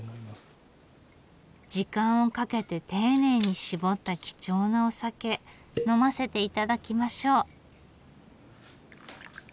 時間をかけて丁寧に搾った貴重なお酒呑ませていただきましょう。